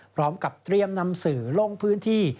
พร้อมกับเตรียมนำสื่อลงพื้นที่